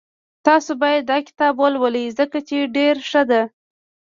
تاسو باید داکتاب ولولئ ځکه چی ډېر ښه ده